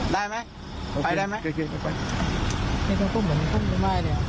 ได้ไหมไปได้ไหม